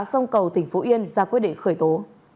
sông cầu tp yên ra quyết định khởi tố